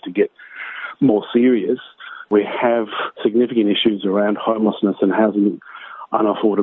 kita mempunyai masalah yang signifikan mengenai kebunuhan rumah tangga dan pendapatan rata rata